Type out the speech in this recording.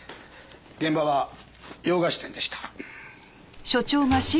現場は洋菓子店でした。